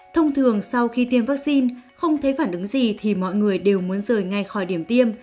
thông thường sau khi tiêm vaccine không thấy phản ứng gì thì mọi người đều muốn rời ngay khỏi điểm tiêm